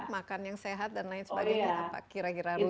makan yang sehat dan lain sebagainya apa kira kira rumah